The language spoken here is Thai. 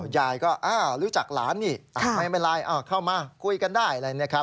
ยายก็อ้าวรู้จักหลานนี่ไม่เป็นไรเข้ามาคุยกันได้